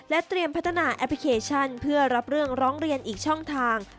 เตรียมพัฒนาแอปพลิเคชันเพื่อรับเรื่องร้องเรียนอีกช่องทาง